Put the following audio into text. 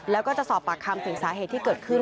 แล้วก็จะสอบปากคำถึงสาเหตุที่เกิดขึ้น